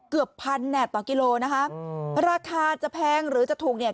เกือบพันแนบต่อกิโลนะคะราคาจะแพงหรือจะถูกเนี่ย